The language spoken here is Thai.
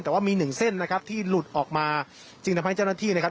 แต่ว่ามีหนึ่งเส้นนะครับที่หลุดออกมาจึงทำให้เจ้าหน้าที่นะครับ